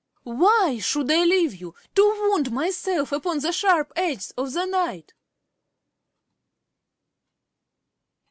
Why should I leave you, To wound myself upon the sharp edges of the night?